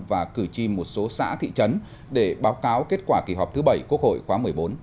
và cử tri một số xã thị trấn để báo cáo kết quả kỳ họp thứ bảy quốc hội khóa một mươi bốn